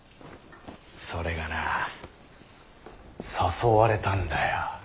それがな誘われたんだよ。